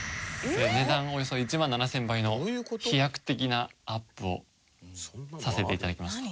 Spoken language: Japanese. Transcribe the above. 値段およそ１万７０００倍の飛躍的なアップをさせて頂きました。